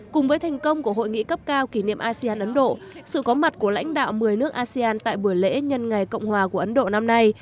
cùng với thành công của hội nghị cấp cao kỷ niệm asean ấn độ sự có mặt của lãnh đạo một mươi nước asean tại buổi lễ nhân ngày cộng hòa của ấn độ năm nay